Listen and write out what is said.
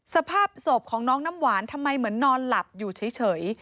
สภาพศพของน้องน้ำหวานทำไมเหมือนนอนหลับอยู่เฉย